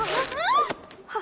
あっ！